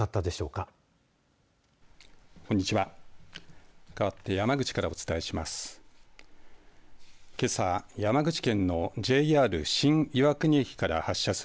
かわって山口からお伝えします。